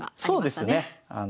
そうですね。